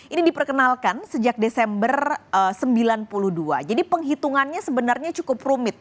ini diperkenalkan sejak desember seribu sembilan ratus sembilan puluh dua jadi penghitungannya sebenarnya cukup rumit